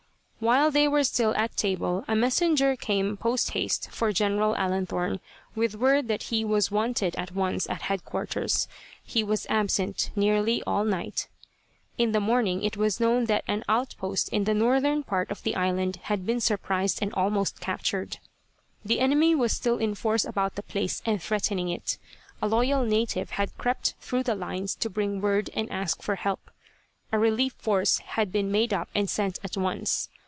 While they were still at table a messenger came post haste for General Allenthorne, with word that he was wanted at once at headquarters. He was absent nearly all night. In the morning it was known that an outpost in the northern part of the island had been surprised and almost captured. The enemy was still in force about the place and threatening it. A loyal native had crept through the lines to bring word and ask for help. A relief force had been made up and sent at once.